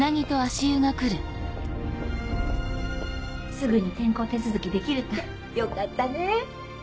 すぐに転校手続きできるって。よかったね。